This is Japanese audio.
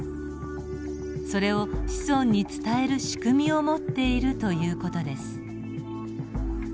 それを子孫に伝える仕組みを持っているという事です。